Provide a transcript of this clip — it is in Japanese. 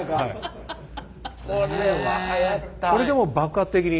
これでもう爆発的に。